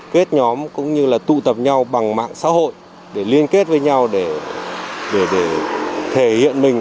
kết nhóm cũng như là tụ tập nhau bằng mạng xã hội để liên kết với nhau để thể hiện mình